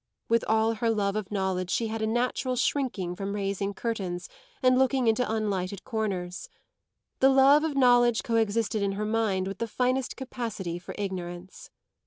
With all her love of knowledge she had a natural shrinking from raising curtains and looking into unlighted corners. The love of knowledge coexisted in her mind with the finest capacity for ignorance.